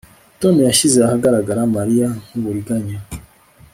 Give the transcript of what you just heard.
Tom yashyize ahagaragara Mariya nkuburiganya